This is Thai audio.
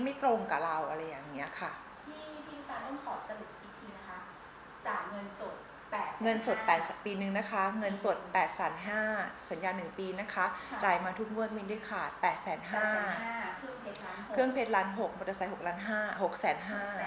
สัญญา๑ปีนะคะจ่ายมาทุกเมืองไม่ได้ขาด๘แสน๕เครื่องเพล็ดล้านหกมอเตอร์ไซค์๖แสน๕